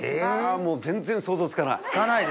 あもう全然想像つかない。